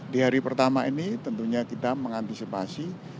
di hari pertama ini tentunya kita mengantisipasi